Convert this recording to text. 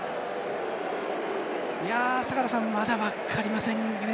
坂田さん、まだ分かりませんね